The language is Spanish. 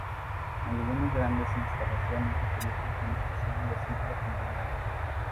Algunas grandes instalaciones utilizan generación de ciclo combinado.